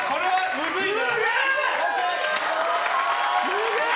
すげえ！